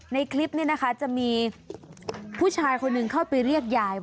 ในคลิปนี้นะคะจะมีผู้ชายคนหนึ่งเข้าไปเรียกยายว่า